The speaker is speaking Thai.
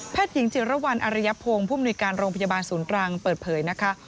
หญิงจิรวรรณอริยพงศ์ผู้มนุยการโรงพยาบาลศูนย์ตรังเปิดเผยนะคะ